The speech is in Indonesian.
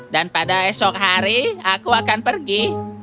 dan pada esok hari aku akan pergi